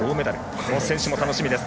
この選手も楽しみです。